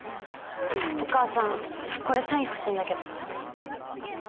お母さんこれサイン欲しいんだけど。